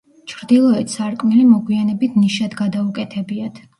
ჩრდილოეთ სარკმელი მოგვიანებით ნიშად გადაუკეთებიათ.